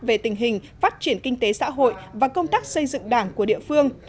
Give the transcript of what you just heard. về tình hình phát triển kinh tế xã hội và công tác xây dựng đảng của địa phương